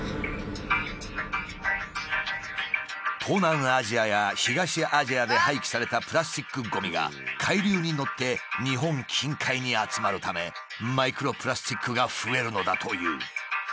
東南アジアや東アジアで廃棄されたプラスチックごみが海流に乗って日本近海に集まるためマイクロプラスチックが増えるのだという。